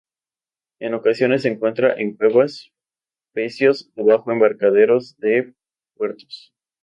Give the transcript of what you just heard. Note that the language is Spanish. En ocasiones se encuentra en cuevas, pecios o bajo embarcaderos de puertos.